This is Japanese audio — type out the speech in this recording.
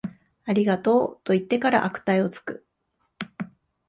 ありがとう、と言ってから悪態をつく